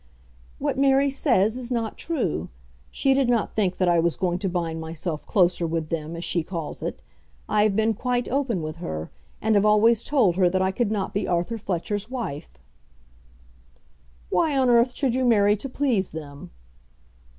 "What Mary says is not true. She did not think that I was going to bind myself closer with them, as she calls it. I have been quite open with her, and have always told her that I could not be Arthur Fletcher's wife." "Why on earth should you marry to please them?"